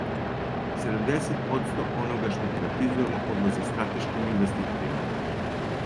Седамдесет одсто онога што приватизујемо одлази стратешким инвеститорима.